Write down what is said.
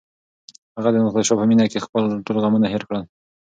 هغه د ناتاشا په مینه کې خپل ټول غمونه هېر کړل.